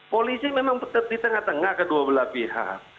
polisi memang di tengah tengah kedua belah pihak